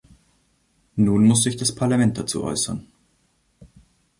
Nun muss sich das Parlament dazu äußern.